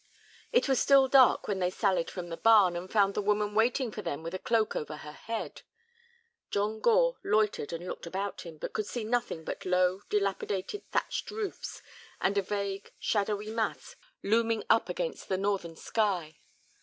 It was still dark when they sallied from the barn, and found the woman waiting for them with a cloak over her head. John Gore loitered and looked about him, but could see nothing but low, dilapidated, thatched roofs, and a vague, shadowy mass looming up against the northern sky.